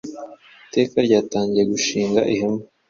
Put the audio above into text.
Iteka ryatangiye gushinga ihema